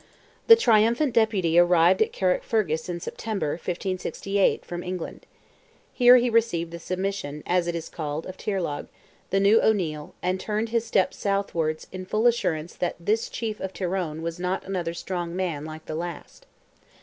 The triumphant Deputy arrived at Carrickfergus in September, 1568, from England. Here he received the "submission," as it is called, of Tirlogh, the new O'Neil, and turned his steps southwards in full assurance that this chief of Tyrone was not another "strong man" like the last.